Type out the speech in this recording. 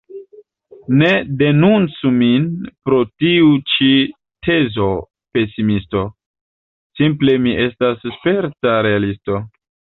Ne denuncu min pro tiu ĉi tezo pesimisto; simple mi estas sperta realisto.